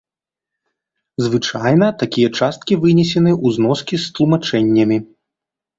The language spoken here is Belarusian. Звычайна, такія часткі вынесены ў зноскі з тлумачэннямі.